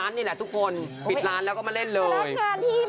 พีอีกแล้วเหรอแม่ประวัติศาสตร์เลยนะแกคุณผู้ชมนี่ตอนค่ำมืดเนี่ยค่ะ